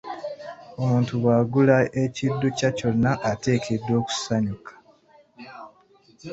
Omuntu bw’agula ekiddukya kyonna ateekeddwa okusanyuka.